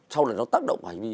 sau này nó tác động